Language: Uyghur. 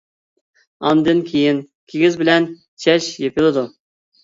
ئاندىن كېيىن كىگىز بىلەن چەش يېپىلىدۇ.